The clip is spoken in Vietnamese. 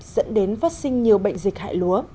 dẫn đến phát sinh nhiều bệnh dịch hại lúa